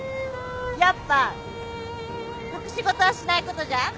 やっぱ隠し事はしないことじゃん？